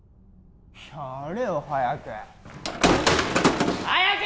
やれよ早く早く！